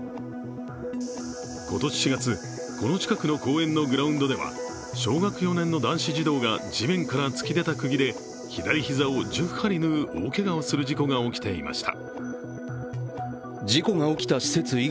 今年４月、この近くの公園のグラウンドでは小学４年の男子児童が地面から突き出たくぎで左膝を１０針縫う大けがをする事故が起きていました。